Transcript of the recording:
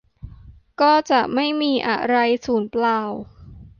ก็จะไม่มีอะไรสูญเปล่า